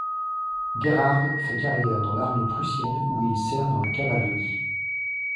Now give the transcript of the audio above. Gerhard fait carrière dans l’armée prussienne où il sert dans la cavalerie.